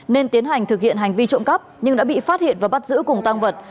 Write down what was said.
nên tiến hành thực hiện hành vi trộm cắp nhưng đã bị phát hiện và bắt giữ cùng tăng vật